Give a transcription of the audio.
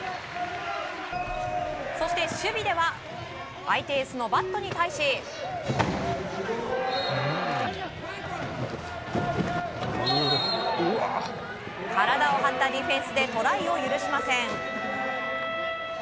そして守備では相手エースのバットに対し。体を張ったディフェンスでトライを許しません。